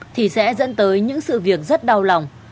thì sẽ dẫn tới những sự việc rất đau lòng